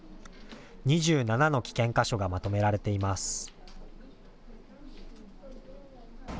２７の危険箇所がまとめられています。